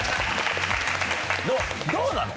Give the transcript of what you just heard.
どうなの？